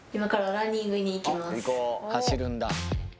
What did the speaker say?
走るんだ。